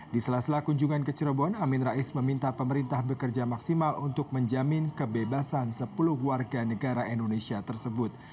di sela sela kunjungan ke cirebon amin rais meminta pemerintah bekerja maksimal untuk menjamin kebebasan sepuluh warga negara indonesia tersebut